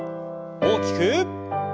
大きく。